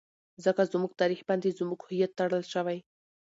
ځکه زموږ تاريخ باندې زموږ هويت ټړل شوى.